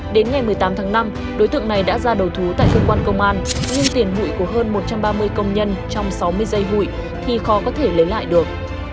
đến ngày một mươi tám tháng năm đối tượng này đã ra đầu thú tại cơ quan công an nhưng tiền hụi của hơn một trăm ba mươi công nhân trong sáu mươi giây hụi thì khó có thể lấy lại được